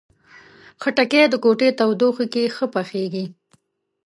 خټکی د کوټې تودوخې کې ښه پخیږي.